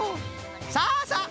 さあさあ